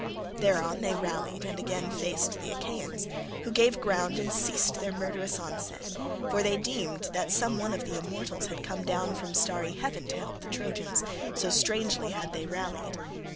Thereon they rallied and again faced the Achaeans, who gave ground and ceased their murderous onset, for they deemed that some one of the immortals had come down from starry heaven to help the Trojans, so strangely had they rallied.